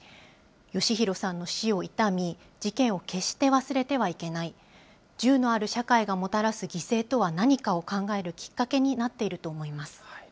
剛丈さんの死を悼み事件を決して忘れてはいけない、銃のある社会がもたらす犠牲とは何かを考えるきっかけになっていると思います。